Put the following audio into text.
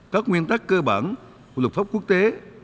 các nguyên tắc cơ bản của luật pháp quốc tế